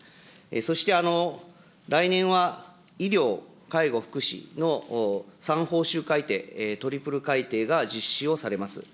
そして、来年は医療、介護、福祉の３報酬改定、トリプル改定が実施をされます。